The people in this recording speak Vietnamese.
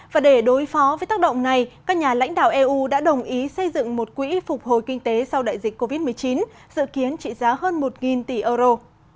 và để đối phó với tác động này các nhà lãnh đạo eu đã đồng ý xây dựng một quỹ phục hồi kinh tế sau đại dịch covid một mươi chín dự kiến trị giá hơn một tỷ euro